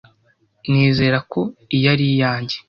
Nizera ko iyi ari iyanjye.